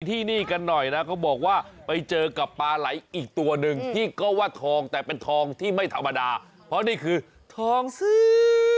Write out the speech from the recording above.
ที่นี่กันหน่อยนะเขาบอกว่าไปเจอกับปลาไหลอีกตัวหนึ่งที่ก็ว่าทองแต่เป็นทองที่ไม่ธรรมดาเพราะนี่คือทองซื้อ